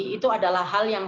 itu adalah hal yang